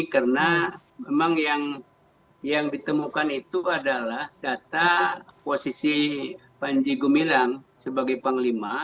karena memang yang ditemukan itu adalah data posisi panji gumilang sebagai panglima